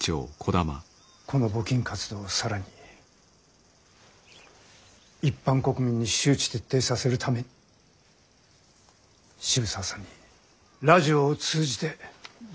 この募金活動を更に一般国民に周知徹底させるために渋沢さんにラジオを通じて呼びかけていただきたいのです。